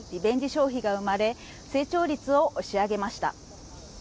消費が生まれ成長率を押し上げました。